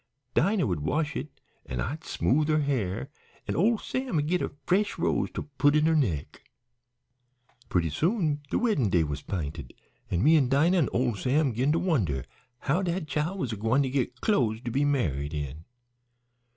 Dinah would wash it an' I'd smooth her hair, an' ole Sam 'd git her a fresh rose to put in her neck. "Purty soon de weddin' day was 'pinted, an' me an' Dinah an' ole Sam 'gin to wonder how dat chile was a gwine to git clo'es to be married in.